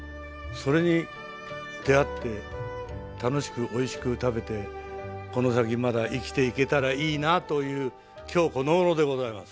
それに出合って楽しくおいしく食べてこの先まだ生きていけたらいいなという今日このごろでございます。